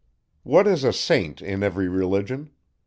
What is a Saint in every religion?